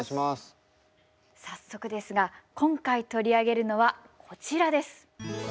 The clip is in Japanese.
早速ですが今回取り上げるのはこちらです。